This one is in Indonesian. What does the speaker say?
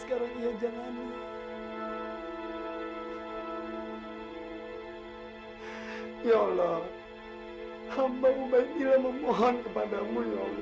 kalau mau musunin apa kan tak anybody but